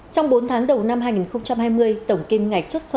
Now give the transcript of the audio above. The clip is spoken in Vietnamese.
trong bốn tháng đầu năm hai nghìn hai mươi tổng kim ngạch xuất khẩu